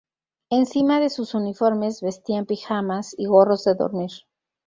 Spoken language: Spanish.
Encima de sus uniformes vestían pijamas y gorros de dormir.